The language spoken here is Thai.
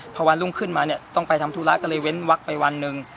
พอวันรุ่งขึ้นมาเนี่ยต้องไปทำธุระก็เลยเว้นวักไปวันหนึ่ง